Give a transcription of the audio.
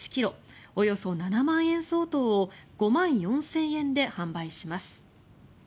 およそ７万円相当を５万４０００円で販売します。